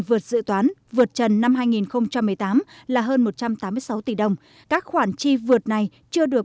vượt dự toán vượt trần năm hai nghìn một mươi tám là hơn một trăm tám mươi sáu tỷ đồng các khoản chi vượt này chưa được